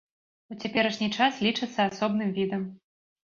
У цяперашні час лічыцца асобным відам.